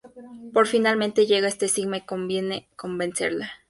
X finalmente llega ante Sigma y consigue vencerle.